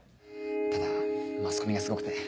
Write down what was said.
ただマスコミがすごくて。